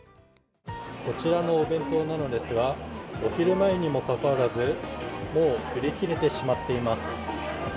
こちらのお弁当なのですがお昼前にもかかわらずもう売り切れてしまっています。